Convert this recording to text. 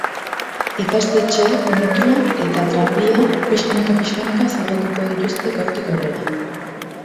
Ikastetxeak, metroa eta tranbia pixkanaka-pixkanaka zabalduko dituzte gaurtik aurrera.